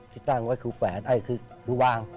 ที่สร้างไว้คือแฝนนี่คือคือวาง